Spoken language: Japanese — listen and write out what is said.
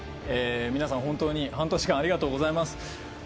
皆さん本当に半年間ありがとうございます。